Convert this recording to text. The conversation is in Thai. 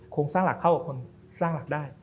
โครงสร้างหลักเข้ากับคนสร้างหลักได้